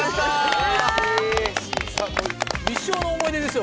一生の思い出ですよ